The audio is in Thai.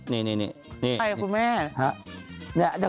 คุณแม่